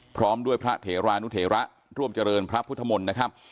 พร้อมด้วยพระเถรานุเถระร่วมเจริญพระพุทธมนตร์นะครับ